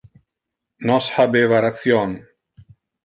Nos habeva ration.